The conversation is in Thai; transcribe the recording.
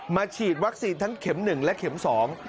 ฉีดวัคซีนทั้งเข็มหนึ่งและเข็มสอง